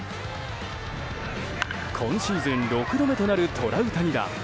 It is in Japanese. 今シーズン６度目となるトラウタニ弾。